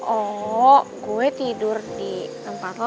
oh gue tidur di tempat lain